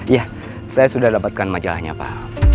ya saya sudah dapatkan majalahnya pak